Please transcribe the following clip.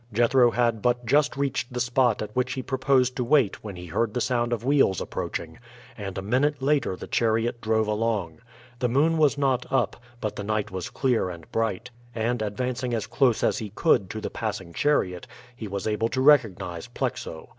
Jethro had but just reached the spot at which he proposed to wait when he heard the sound of wheels approaching, and a minute later the chariot drove along. The moon was not up, but the night was clear and bright; and, advancing as close he could to the passing chariot, he was able to recognize Plexo.